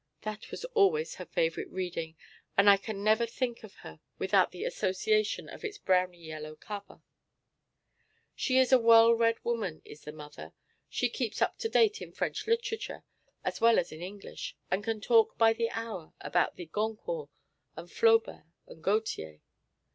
That was always her favourite reading, and I can never think of her without the association of its browny yellow cover. She is a very well read woman is the mother; she keeps up to date in French literature as well as in English, and can talk by the hour about the Goncourts, and Flaubert, and Gautier.